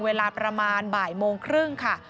เวลาประมาณบ่ายโมงครึ่งค่ะ